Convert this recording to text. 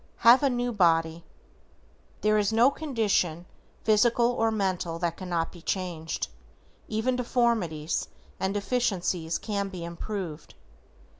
=HAVE A NEW BODY:= There is no condition physical or mental that cannot be changed, even deformities, and deficiencies can be improved.